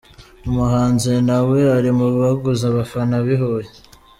Umuhanzi nawe ari mu baguze abafana b’i Huye.